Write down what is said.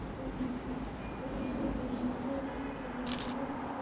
গতকাল বৃহস্পতিবার হাটগুলোতে প্রচুর পশু দেখা গেলেও ক্রেতার তেমন দেখা মেলেনি।